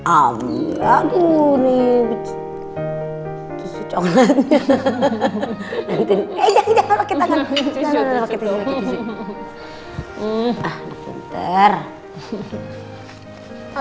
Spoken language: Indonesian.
amri aduh nih coklatnya